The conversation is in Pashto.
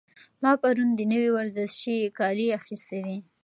ما پرون د نوي ورزشي کالي اخیستي دي.